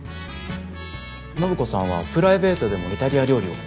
暢子さんはプライベートでもイタリア料理を？